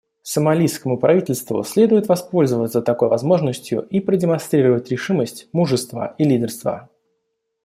Сомалийскому правительству следует воспользоваться такой возможностью и продемонстрировать решимость, мужество и лидерство.